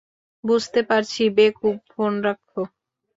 বুঝতে পারছি, বেকুব, ফোন রাখ।